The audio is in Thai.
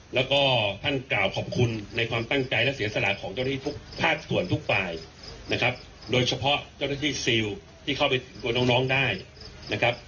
แล้วก็ท่านกล่าวขอบคุณในความตั้งใจและเสียสละของเจ้าหน้าที่ทุกภาคส่วนทุกฝ่ายนะครับโดยเฉพาะเจ้าหน้าที่ซิลที่เข้าไปตัวน้องได้นะครับ